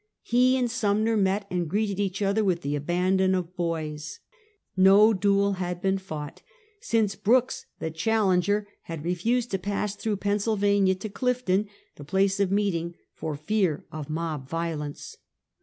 He and Sumner met and greeted each other with the abandon of boys. 'No duel had been fought, since Brooks, the challenger, had refused to pass through Pennsylvania to Clifton, the place of meeting, for fear of mob violence.